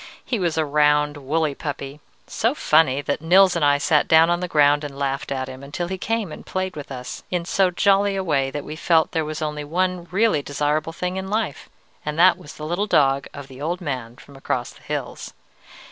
He was a round, woolly puppy, so funny that Nils and I sat down on the ground and laughed at him, until he came and played with us in so jolly a way that we felt that there was only one really desirable thing in life, and that was the little dog of the old man from across the hills.